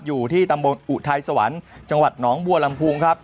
อยู่ที่ตำบลอุทัยสวรรค์จังหวัดหนองบัวลำพูครับ